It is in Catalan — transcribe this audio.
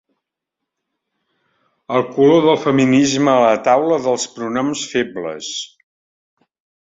El color del feminisme a la taula dels pronoms febles.